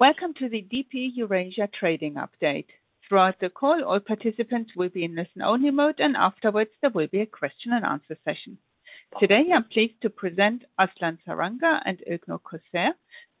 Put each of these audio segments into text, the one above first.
Welcome to the DP Eurasia trading update. Throughout the call, all participants will be in listen-only mode. Afterwards there will be a question-and-answer session. Today, I'm pleased to present Aslan Saranga and Ugur Koser.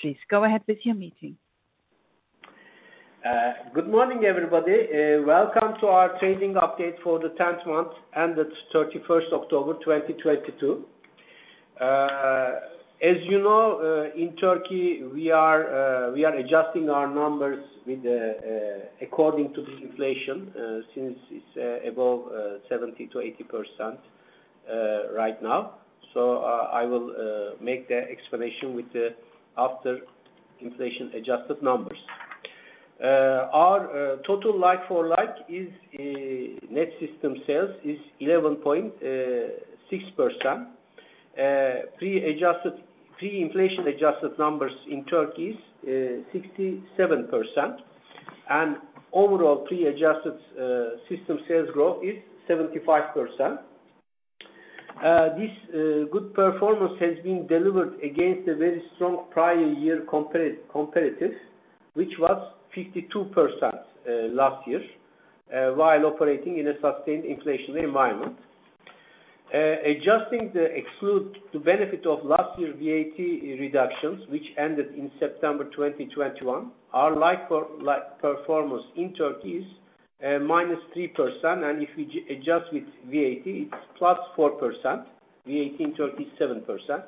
Please go ahead with your meeting. Good morning, everybody. Welcome to our trading update for the 10th month ended 31st October 2022. As you know, in Turkey, we are adjusting our numbers according to the inflation, since it's above 70%-80% right now. I will make the explanation with the after-inflation-adjusted numbers. Our total like-for-like net system sales is 11.6%. Pre-inflation-adjusted numbers in Turkey is 67%. Overall, pre-adjusted system sales growth is 75%. This good performance has been delivered against a very strong prior year comparative, which was 52% last year, while operating in a sustained inflationary environment. Adjusting the exclude the benefit of last year VAT reductions, which ended in September 2021, our like-for-like performance in Turkey is -3%, and if we adjust with VAT, it's +4%, VAT in Turkey is 7%.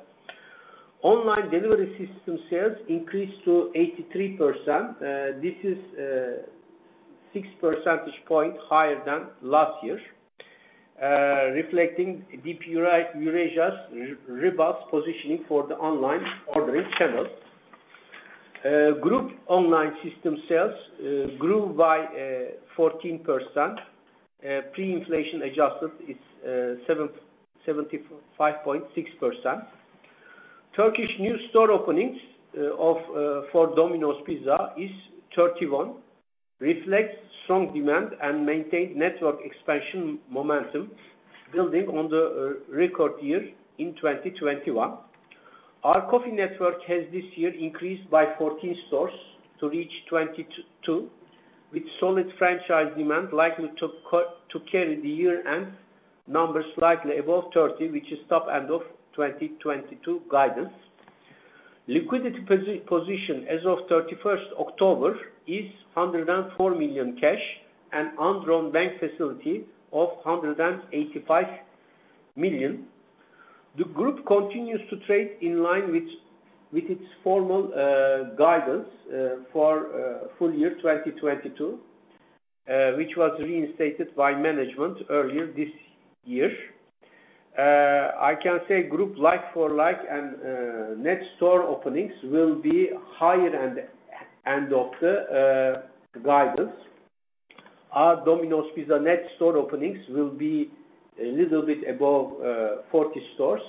Online delivery system sales increased to 83%. This is 6 percentage point higher than last year, reflecting DP Eurasia's robust positioning for the online ordering channel. Group online system sales grew by 14%. Pre-inflation-adjusted is 75.6%. Turkish new store openings of for Domino's Pizza is 31, reflects strong demand and maintained network expansion momentum building on the record year in 2021. Our COFFY network has this year increased by 14 stores to reach 22, with solid franchise demand likely to carry the year-end numbers slightly above 30, which is top end of 2022 guidance. Liquidity position as of 31st October is 104 million cash and undrawn bank facility of 185 million. The Group continues to trade in line with its formal guidance for full year 2022, which was reinstated by management earlier this year. I can say Group like-for-like and net store openings will be higher end of the guidance. Our Domino's Pizza net store openings will be a little bit above 40 stores,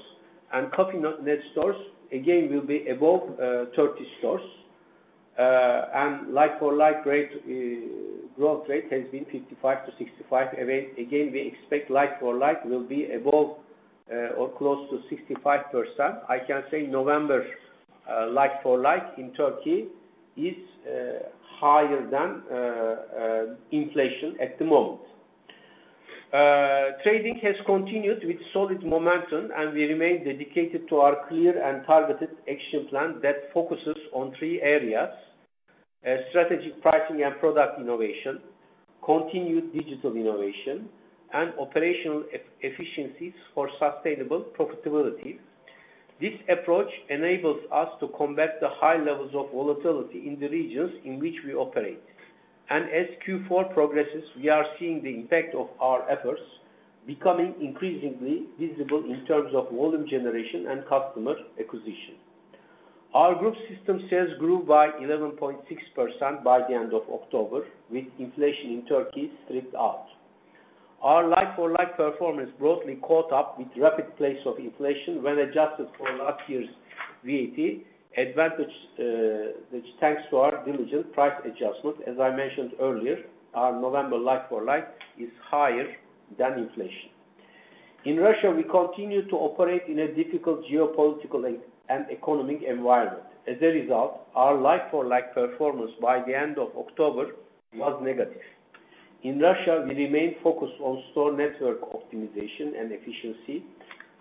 and COFFY net stores again will be above 30 stores. Like-for-like rate growth rate has been 55%-65%. Again, we expect like-for-like will be above, or close to 65%. I can say November, like-for-like in Turkey is higher than inflation at the moment. Trading has continued with solid momentum, and we remain dedicated to our clear and targeted action plan that focuses on three areas: strategic pricing and product innovation, continued digital innovation, and operational efficiencies for sustainable profitability. This approach enables us to combat the high levels of volatility in the regions in which we operate. As Q4 progresses, we are seeing the impact of our efforts becoming increasingly visible in terms of volume generation and customer acquisition. Our Group system sales grew by 11.6% by the end of October, with inflation in Turkey stripped out. Our like-for-like performance broadly caught up with rapid pace of inflation when adjusted for last year's VAT advantage, which thanks to our diligent price adjustment, as I mentioned earlier, our November like-for-like is higher than inflation. In Russia, we continue to operate in a difficult geopolitical and economic environment. As a result, our like-for-like performance by the end of October was negative. In Russia, we remain focused on store network optimization and efficiency.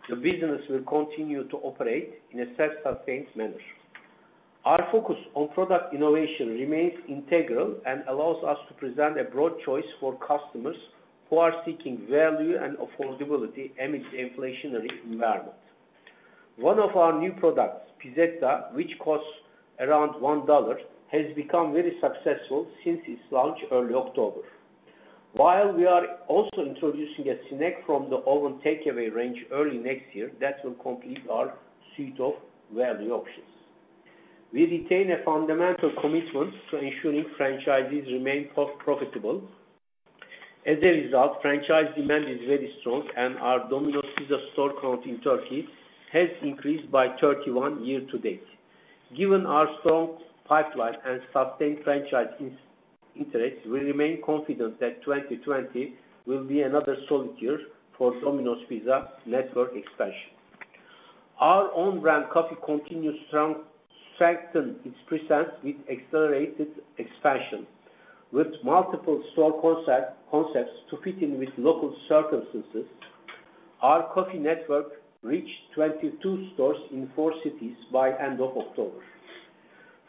The business will continue to operate in a self-sustained manner. Our focus on product innovation remains integral and allows us to present a broad choice for customers who are seeking value and affordability amid the inflationary environment. One of our new products, Pizzetta, which costs around $1, has become very successful since its launch early October. While we are also introducing a snack from the oven takeaway range early next year, that will complete our suite of value options. We retain a fundamental commitment to ensuring franchisees remain profitable. As a result, franchise demand is very strong, and our Domino's Pizza store count in Turkey has increased by 31 year to date. Given our strong pipeline and sustained franchise interest, we remain confident that 2020 will be another solid year for Domino's Pizza network expansion. Our own brand COFFY continues strengthen its presence with accelerated expansion. With multiple store concepts to fit in with local circumstances, our COFFY network reached 22 stores in four cities by end of October.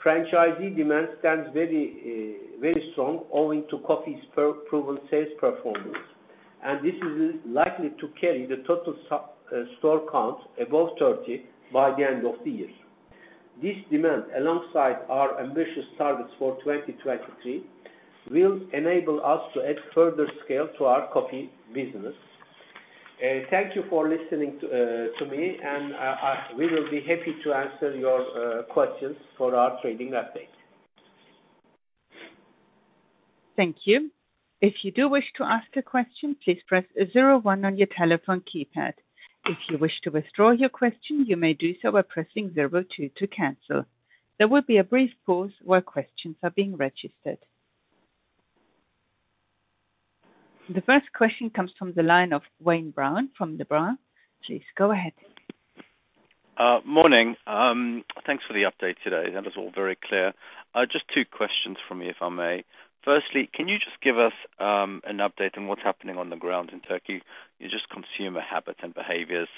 Franchisee demand stands very strong owing to COFFY's proven sales performance, and this is likely to carry the total store count above 30 by the end of the year. This demand, alongside our ambitious targets for 2023, will enable us to add further scale to our COFFY business. Thank you for listening to me, and we will be happy to answer your questions for our trading update. Thank you. If you do wish to ask a question, please press zero one on your telephone keypad. If you wish to withdraw your question, you may do so by pressing zero two to cancel. There will be a brief pause while questions are being registered. The first question comes from the line of Wayne Brown from [Debra]. Please go ahead. Morning. Thanks for the update today. That was all very clear. Just two questions from me, if I may. Firstly, can you just give us an update on what's happening on the ground in Turkey? You just consumer habits and behaviors.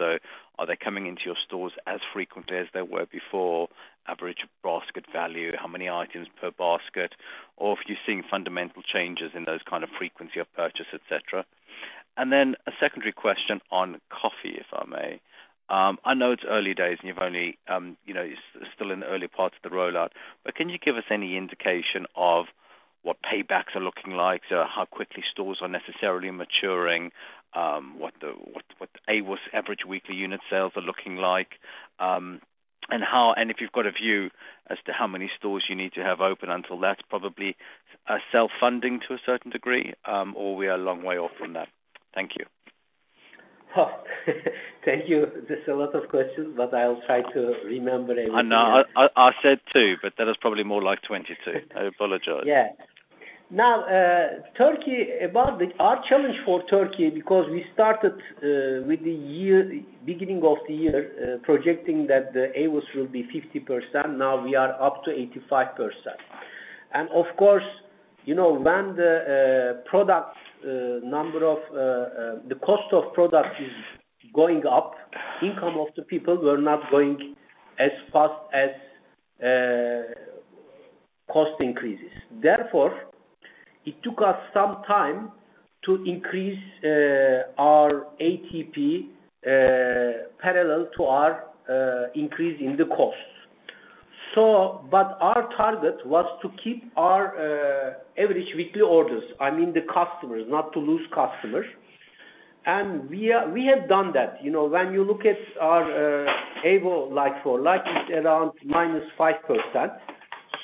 Are they coming into your stores as frequently as they were before? Average basket value? How many items per basket? Or if you're seeing fundamental changes in those kind of frequency of purchase, et cetera. A secondary question on COFFY, if I may. I know it's early days and you've only, you know, you're still in the early parts of the rollout, but can you give us any indication of what paybacks are looking like? How quickly stores are necessarily maturing? What the AWUS, average weekly unit sales are looking like? If you've got a view as to how many stores you need to have open until that's probably self-funding to a certain degree, or we are a long way off from that? Thank you. Oh. Thank you. There's a lot of questions, but I'll try to remember everything. I know. I said two, but that is probably more like 22. I apologize. Yeah. Now, Turkey, Our challenge for Turkey, because we started with the year, beginning of the year, projecting that the AWUS will be 50%, now we are up to 85%. Of course, you know, when the product, number of, the cost of product is going up, income of the people were not going as fast as cost increases. Therefore, it took us some time to increase our ATP parallel to our increase in the costs. Our target was to keep our average weekly orders. I mean, the customers, not to lose customers. We are, we have done that. You know, when you look at our AWU like-for-like it's around -5%.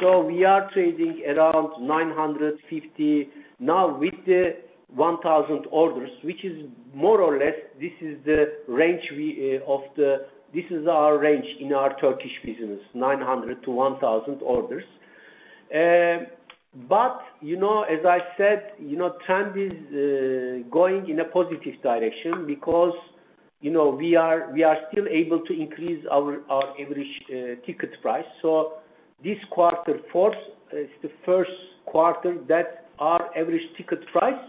We are trading around 950 now with the 1,000 orders. This is our range in our Turkish business, 900-1,000 orders. But, you know, as I said, you know, trend is going in a positive direction because, you know, we are still able to increase our average ticket price. This quarter fourth is the first quarter that our average ticket price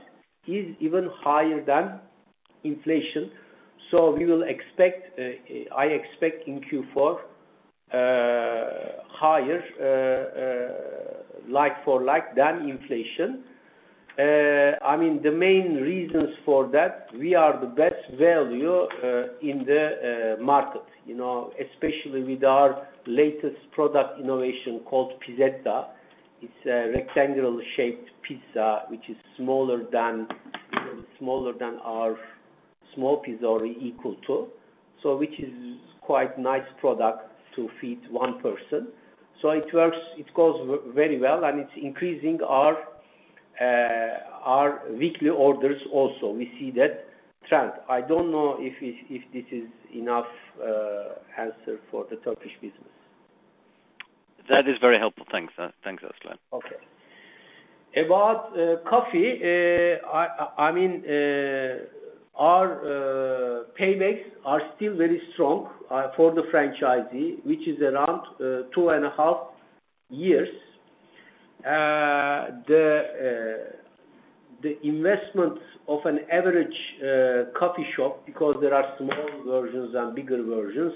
is even higher than inflation. We will expect, I expect in Q4, higher like for like than inflation. I mean, the main reasons for that, we are the best value in the market. You know, especially with our latest product innovation called Pizzetta. It's a rectangular shaped pizza, which is smaller than our small pizza or equal to, so which is quite nice product to feed one person. It works. It goes very well, and it's increasing our weekly orders also. We see that trend. I don't know if this is enough answer for the Turkish business. That is very helpful. Thanks. Thanks, Aslan. About COFFY. I mean, our paybacks are still very strong for the franchisee, which is around 2.5 years. The investment of an average coffee shop because there are smaller versions and bigger versions,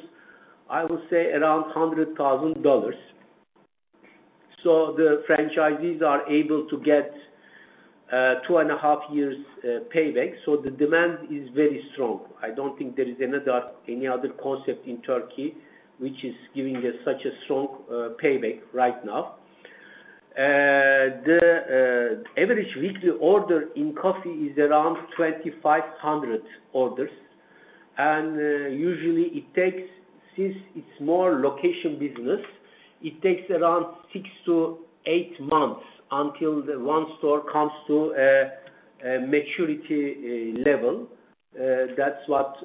I would say around $100,000. The franchisees are able to get 2.5 years payback. The demand is very strong. I don't think there is another, any other concept in Turkey which is giving us such a strong payback right now. The average weekly order in COFFY is around 2,500 orders. Usually it takes, since it's more location business, it takes around six to eight months until the one store comes to a maturity level. That's what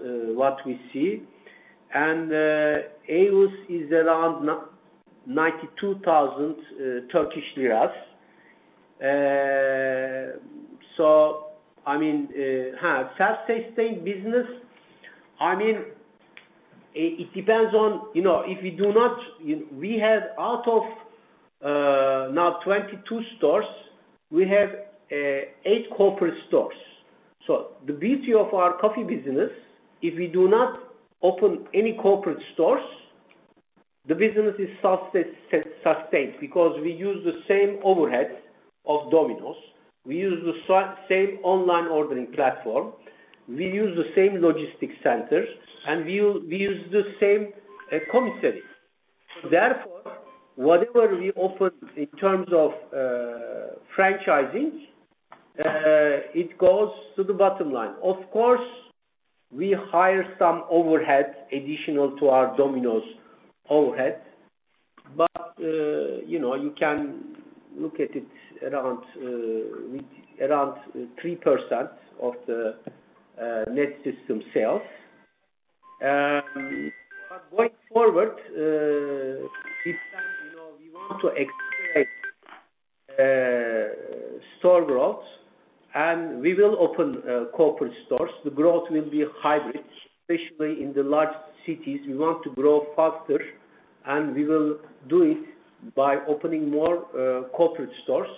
we see. AOV is around TRY 92,000. I mean, self-sustaining business. I mean, it depends on, you know, if we do not. We have out of now 22 stores, we have eight corporate stores. The beauty of our coffee business, if we do not open any corporate stores, the business is self-sustained because we use the same overhead of Domino's, we use the same online ordering platform, we use the same logistic centers, and we use the same commissary. Therefore, whatever we offer in terms of franchising, it goes to the bottom line. Of course, we hire some overhead additional to our Domino's overhead. You know, you can look at it around with around 3% of the net system sales. Going forward, this time, you know, we want to accelerate store growth, and we will open corporate stores. The growth will be hybrid, especially in the large cities. We want to grow faster, and we will do it by opening more corporate stores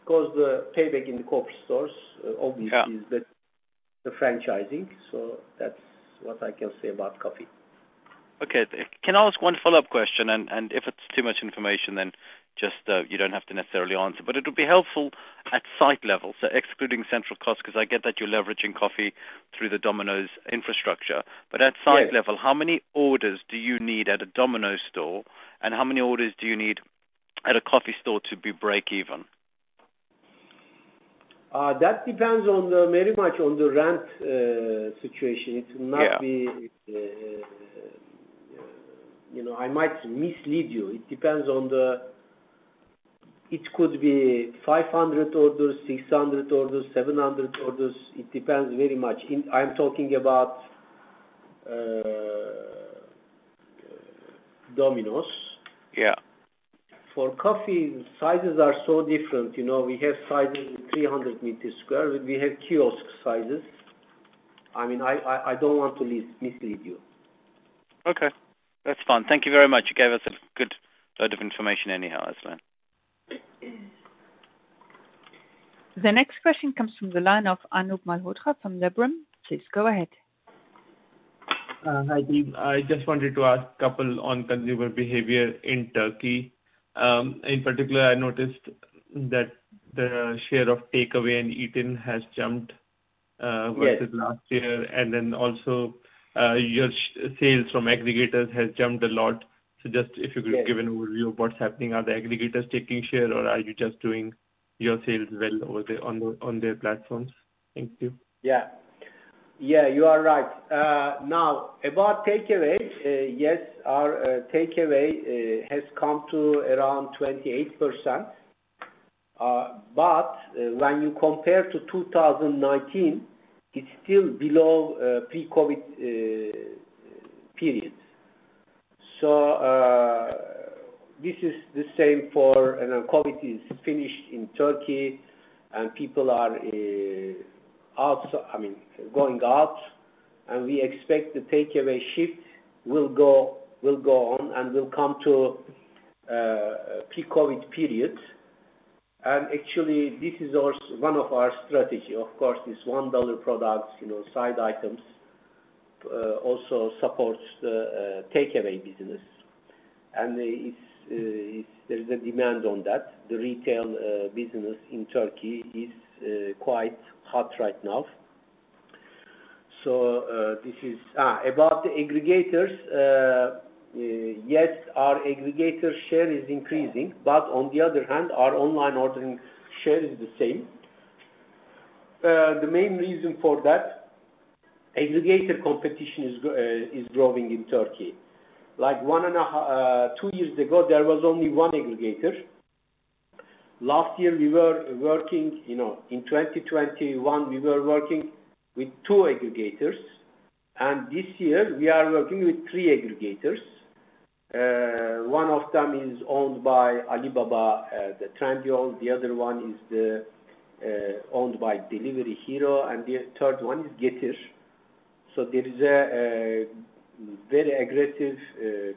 because the payback in the corporate stores obviously. Yeah. is the franchising. That's what I can say about COFFY. Okay. Can I ask one follow-up question? If it's too much information, then just, you don't have to necessarily answer. It would be helpful at site level, so excluding central cost, 'cause I get that you're leveraging COFFY through the Domino's infrastructure. Yes. At site level, how many orders do you need at a Domino's store, and how many orders do you need at a coffee store to be break even? That depends on the, very much on the rent, situation. Yeah. It will not be, you know, I might mislead you. It depends on the, it could be 500 orders, 600 orders, 700 orders. It depends very much. I'm talking about, Domino's. Yeah. For COFFY, sizes are so different. You know, we have sizes of 300 m sq. We have kiosk sizes. I mean, I don't want to mislead you. Okay. That's fine. Thank you very much. You gave us a good load of information anyhow, Aslan. The next question comes from the line of Anubhav Malhotra from Liberum. Please go ahead. Hi, team. I just wanted to ask couple on consumer behavior in Turkey. In particular, I noticed that the share of takeaway and eaten has jumped, versus last year. Also, your sales from aggregators has jumped a lot. Yes. Yes. Give an overview of what's happening. Are the aggregators taking share, or are you just doing your sales well over there on the, on their platforms? Thank you. Yeah. Yeah, you are right. Now, about takeaway, yes, our takeaway has come to around 28%. When you compare to 2019, it's still below pre-COVID periods. This is the same for, COVID is finished in Turkey, and people are out I mean, going out, and we expect the takeaway shift will go on and will come to pre-COVID periods. Actually, this is also one of our strategy. Of course, this $1 products, you know, side items, also supports the takeaway business. It's there is a demand on that. The retail business in Turkey is quite hot right now. This is, about the aggregators, yes, our aggregator share is increasing, but on the other hand, our online ordering share is the same. The main reason for that, aggregator competition is growing in Turkey. Like two years ago, there was only one aggregator. Last year, we were working, you know, in 2021, we were working with two aggregators. This year we are working with three aggregators. One of them is owned by Alibaba, the Trendyol. The other one is the owned by Delivery Hero. The third one is Getir. There is a very aggressive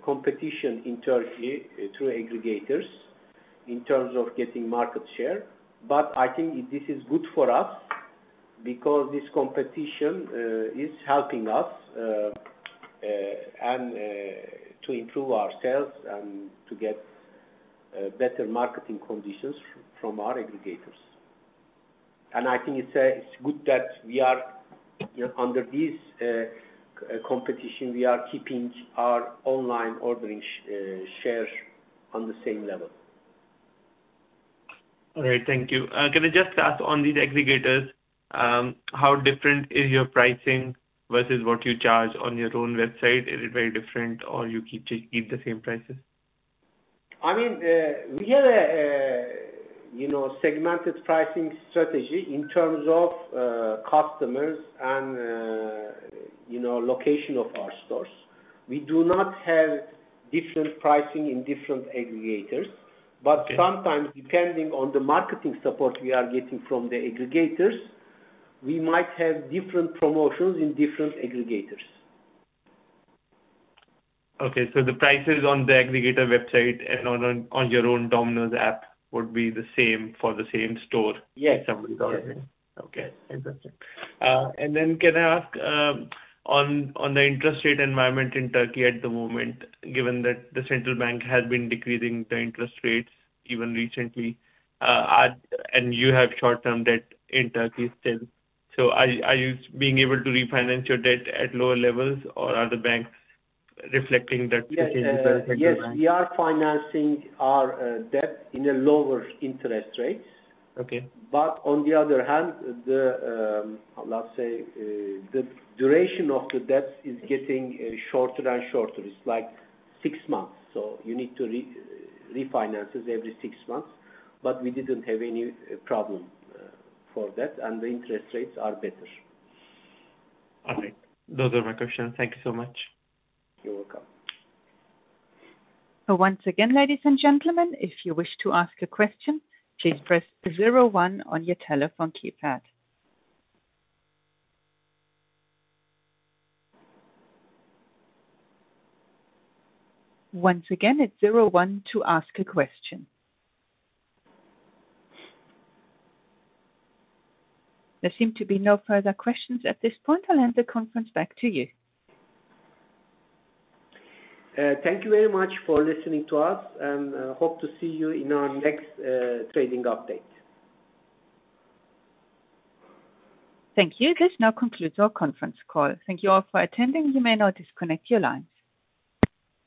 competition in Turkey through aggregators in terms of getting market share. I think this is good for us because this competition is helping us and to improve our sales and to get better marketing conditions from our aggregators. I think it's it's good that we are, you know, under this competition, we are keeping our online ordering share on the same level. All right, thank you. Can I just ask on these aggregators, how different is your pricing versus what you charge on your own website? Is it very different or you keep the same prices? I mean, we have a, you know, segmented pricing strategy in terms of customers and, you know, location of our stores. We do not have different pricing in different aggregators. Sometimes, depending on the marketing support we are getting from the aggregators, we might have different promotions in different aggregators. Okay. The prices on the aggregator website and on your own Domino's app would be the same for the same store? Yes. Interesting. Can I ask on the interest rate environment in Turkey at the moment, given that the central bank has been decreasing the interest rates even recently, you have short-term debt in Turkey still. Are you being able to refinance your debt at lower levels or are the banks reflecting that? Yes. Yes, we are financing our debt in a lower interest rates. Okay. On the other hand, the, let's say, the duration of the debt is getting shorter and shorter. It's like six months, so you need to refinance it every six months. We didn't have any problem for that, and the interest rates are better. All right. Those are my questions. Thank you so much. You're welcome. Once again, ladies and gentlemen, if you wish to ask a question, please press zero one on your telephone keypad. Once again, it's zero one to ask a question. There seem to be no further questions at this point. I'll hand the conference back to you. Thank you very much for listening to us and hope to see you in our next trading update. Thank you. This now concludes our conference call. Thank you all for attending. You may now disconnect your lines.